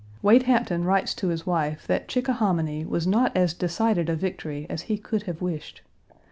Wade Hampton writes to his wife that Chickahominy was not as decided a victory as he could have wished.